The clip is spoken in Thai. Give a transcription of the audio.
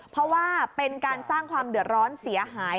เพราะว่าเป็นการสร้างความเดือดร้อนเสียหาย